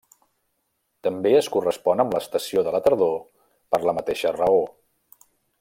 També es correspon amb l'estació de la tardor per la mateixa raó.